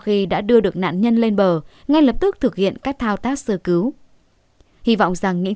khi đã đưa được nạn nhân lên bờ ngay lập tức thực hiện các thao tác sơ cứu hy vọng rằng những